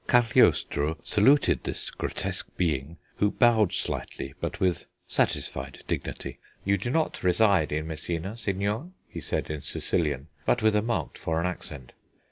Cagliostro saluted this grotesque being, who bowed slightly, but with satisfied dignity. 'You do not reside in Messina, signor?' he said in Sicilian, but with a marked foreign accent.